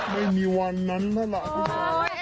ไม่มีวันนั้นหรอกพี่สาย